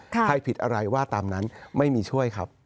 ใครผิดอะไรว่าตามนั้นไม่มีช่วยครับ